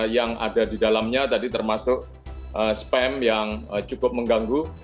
yang ada di dalamnya tadi termasuk spam yang cukup mengganggu